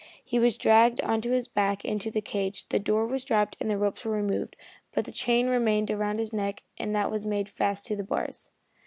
He was dragged on his back into the cage, the door was dropped and the ropes were removed, but the chain remained around his neck and that was made fast to the bars.